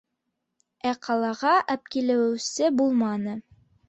Ә ҡалаға әпкилеүсе булманы.